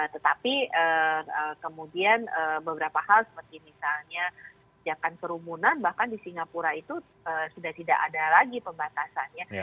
tetapi kemudian beberapa hal seperti misalnya jajakan kerumunan bahkan di singapura itu sudah tidak ada lagi pembatasannya